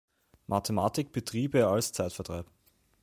Mathematik betrieb er als Zeitvertreib.